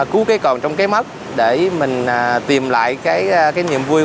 cứu cái còn trong cái mất để mình tìm lại cái niềm vui